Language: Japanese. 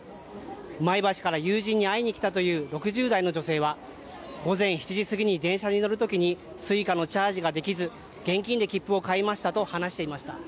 前橋から友人に会いに来たという６０代の女性は午前７時過ぎに電車に乗るときにＳｕｉｃａのチャージができず現金で切符を買いましたと話していました。